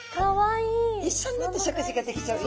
一緒になって食事ができちゃう。